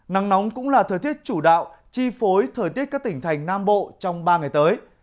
nắng nóng cũng là thời tiết chủ đạo chi phối thời tiết các tỉnh thành nam bộ trong ba ngày tới